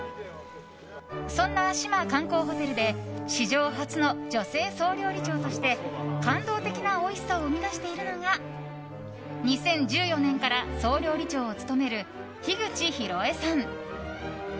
そんな志摩観光ホテルで史上初の女性総料理長として感動的なおいしさを生み出しているのが２０１４年から総料理長を務める樋口宏江さん。